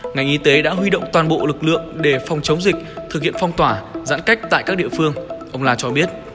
ngành y tế đã huy động toàn bộ lực lượng để phòng chống dịch thực hiện phong tỏa giãn cách tại các địa phương ông la cho biết